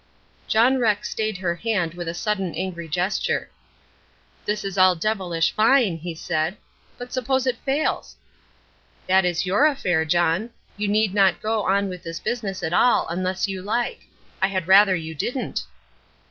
John Rex stayed her hand with a sudden angry gesture. "This is all devilish fine," he said, "but suppose it fails?" "That is your affair, John. You need not go on with this business at all, unless you like. I had rather you didn't."